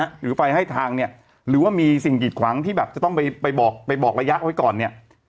หรือไฟให้ทางเนี่ยหรือว่ามีสิ่งกิดขวางที่แบบจะต้องไปบอกไปบอกระยะไว้ก่อนเนี่ย